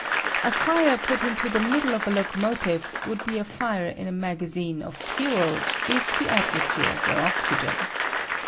A fire put into the middle of a locomotive would be a fire in a magazine of fuel, if the atmosphere were oxy gen.